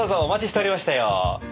お待ちしておりましたよ。